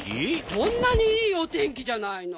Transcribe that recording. こんなにいいおてんきじゃないの。